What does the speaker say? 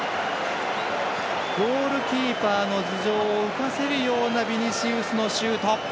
ゴールキーパーの頭上を浮かせるようなビニシウスのシュート。